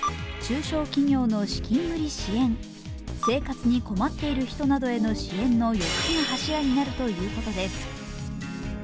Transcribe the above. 中小企業の資金繰り支援生活に困っている人などへの支援の４つの柱になるということです。